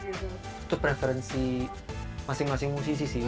itu preferensi masing masing musisi sih